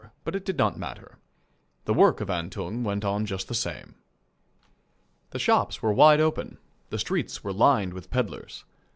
But it did not matter. The work of Antung went on just the same. The shops were wide open; the streets were lined with pedlars.